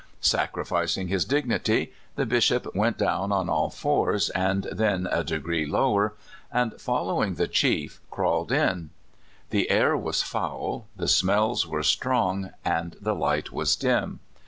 Sacrificing his dig nity, the Bishop went down on all fours, and then a degree lower, and, following the chief, craw^led in. The air was foul, the smells were strong, and the light was dim.